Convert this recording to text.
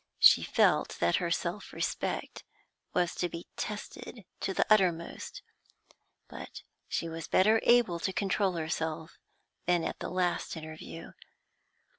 She felt that her self respect was to be tested to the uttermost, but she was better able to control herself than at the last interview.